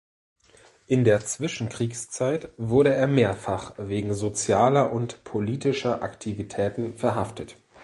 In der Zwischenkriegszeit wurde er mehrfach wegen sozialer und politischer Aktivitäten verhaftet.